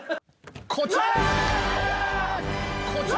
こちら！